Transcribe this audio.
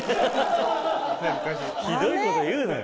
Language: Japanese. ひどいこと言うなよ